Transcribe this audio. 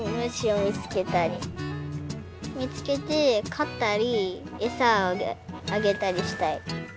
みつけてかったりえさをあげたりしたい。